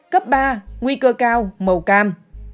cấp ba nguy cơ cao màu cam